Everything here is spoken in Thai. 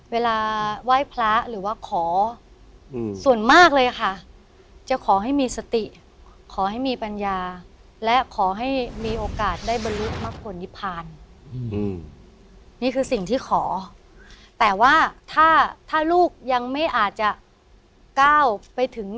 ว่าเออก็นอนรวมกันที่นี่แล้วกันทุกคน